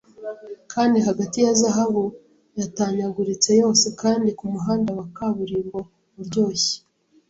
Kandi Hagati ya zahabu yatanyaguritse yose Kandi kumuhanda wa kaburimbo uryoshye